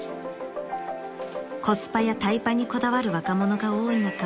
［コスパやタイパにこだわる若者が多い中